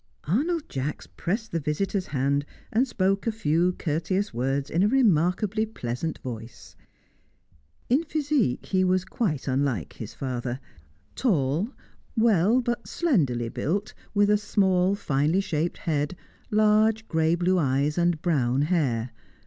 Arnold Jacks pressed the visitor's hand and spoke a few courteous words in a remarkably pleasant voice. In physique he was quite unlike his father; tall, well but slenderly built, with a small finely shaped head, large grey blue eyes and brown hair.